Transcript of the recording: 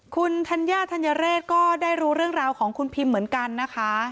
คุณธัญญาธัญเรศก็ได้รู้เรื่องราวของคุณพิมเหมือนกันนะคะ